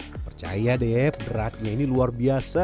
percaya deh beratnya ini luar biasa